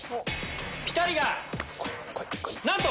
ピタリがなんと。